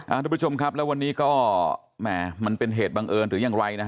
ทุกผู้ชมครับแล้ววันนี้ก็แหม่มันเป็นเหตุบังเอิญหรือยังไรนะฮะ